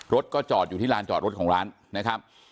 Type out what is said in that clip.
รถก็จอดอยู่ที่ลานจอดรถของร้านนะครับ